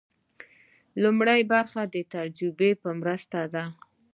لومړۍ برخه د تجربې په مرسته ده.